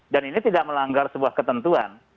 dan ini tidak melanggar sebuah ketentuan